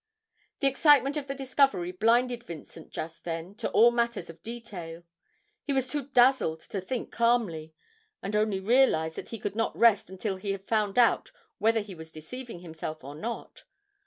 The excitement of the discovery blinded Vincent just then to all matters of detail: he was too dazzled to think calmly, and only realised that he could not rest until he had found out whether he was deceiving himself or not.